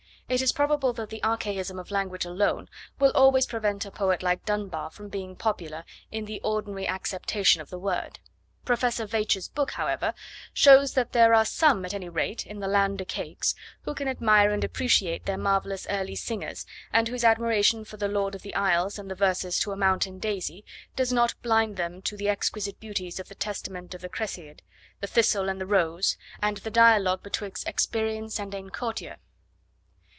It is probable that the archaism of language alone will always prevent a poet like Dunbar from being popular in the ordinary acceptation of the word. Professor Veitch's book, however, shows that there are some, at any rate, in the 'land o' cakes' who can admire and appreciate their marvellous early singers, and whose admiration for The Lord of the Isles and the verses To a Mountain Daisy does not blind them to the exquisite beauties of The Testament of Cresseid, The Thistle and the Rose, and the Dialog betwix Experience and ane Courteour.